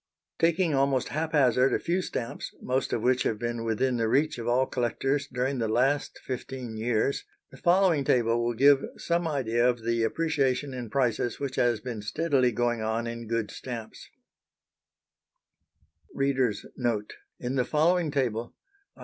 Taking almost haphazard a few stamps, most of which have been within the reach of all collectors during the last fifteen years, the following table will give some idea of the appreciation in prices which has been steadily going on in good stamps: |1875 |1880 |1886 |1890 |1893 |1897 |1902 | |s. d.